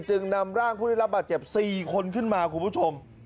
จึงนำร่างผู้ได้รับบาดเจ็บ๔คนขึ้นมาคุณผู้ชม